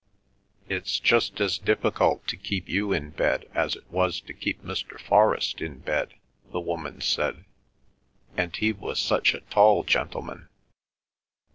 "It's just as difficult to keep you in bed as it was to keep Mr. Forrest in bed," the woman said, "and he was such a tall gentleman."